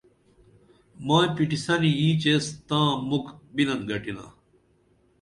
مائی پِٹِسنی اینچ ایس تاں مُکھ بِنن گٹِنا